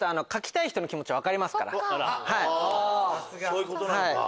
そういうことなのか。